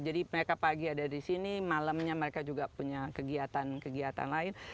jadi mereka pagi ada di sini malamnya mereka juga punya kegiatan kegiatan lain